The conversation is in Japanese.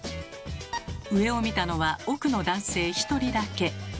上を見たのは奥の男性１人だけ。